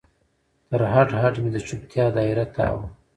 تر هډ، هډ مې د چوپتیا دا یره تاو وه